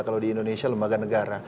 kalau di indonesia lembaga negara